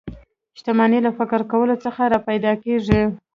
شتمني له فکر کولو څخه را پیدا کېږي